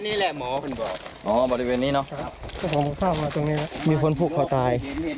นี่แหละหมอบริเวณนี้เนาะมีคนผู้ขาวตาย